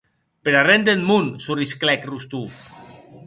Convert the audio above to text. Per arren deth mon!, sorrisclèc Rostov.